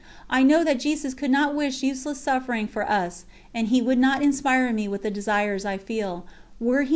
I know that Jesus could not wish useless suffering for us, and He would not inspire me with the desires I feel, were He not willing to fulfill them.